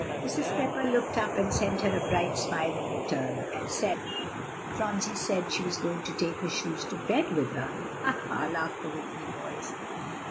Mrs. Pepper looked up and sent her a bright smile in return "and Phronsie said she was going to take her shoes to bed with her." "Ha, ha!" laughed the Whitney boys.